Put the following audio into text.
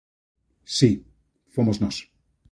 Si, fomos nós.